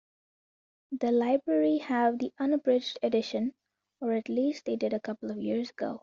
The library have the unabridged edition, or at least they did a couple of years ago.